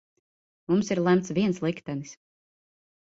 Mums ir lemts viens liktenis.